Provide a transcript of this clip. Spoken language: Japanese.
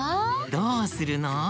どうするの？